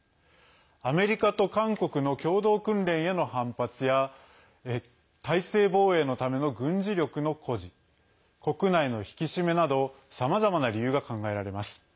アメリカと韓国の共同訓練への反発や体制防衛のための軍事力の誇示国内の引き締めなどさまざまな理由が考えられます。